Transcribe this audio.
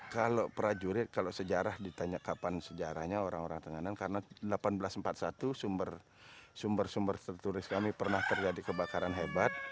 kalau prajurit kalau sejarah ditanya kapan sejarahnya orang orang tenganan karena seribu delapan ratus empat puluh satu sumber sumber tertulis kami pernah terjadi kebakaran hebat